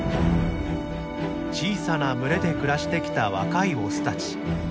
小さな群れで暮らしてきた若いオスたち。